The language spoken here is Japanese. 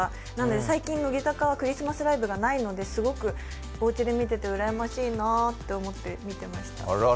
最近乃木坂はクリスマスライブがないので、おうちで見ててうらやましいなと思って見てました。